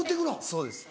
そうです。